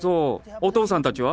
お父さんたちは？